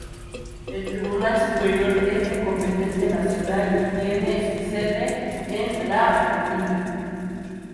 El Tribunal Superior es de competencia nacional y tiene su sede en la Av.